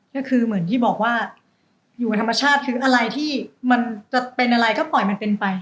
ก็คือเหมือนที่บอกว่าอยู่กับธรรมชาติคืออะไรที่มันจะเป็นอะไรก็ปล่อยมันเป็นไป